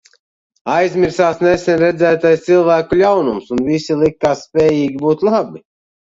Aizmirsās nesen redzētais cilvēku ļaunums, un visi likās spējīgi būt labi.